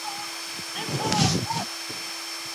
هغه څوک چې لولي هغه پوهیږي.